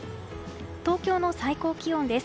東京の最高気温です。